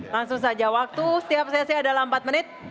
langsung saja waktu setiap sesi adalah empat menit